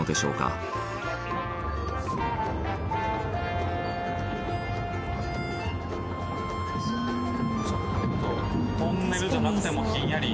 徳永：トンネルじゃなくてもひんやり。